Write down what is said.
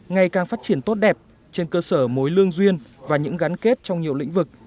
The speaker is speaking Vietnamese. ngày càng phát triển tốt đẹp trên cơ sở mối lương duyên và những gắn kết trong nhiều lĩnh vực